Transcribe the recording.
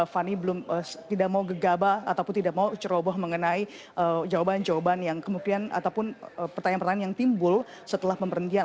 fani belum gegabah ataupun tidak mau ceroboh mengenai jawaban jawaban yang kemudian ataupun pertanyaan pertanyaan yang timbul setelah pemberhentian